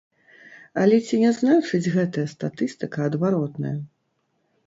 Але ці не значыць гэтая статыстыка адваротнае?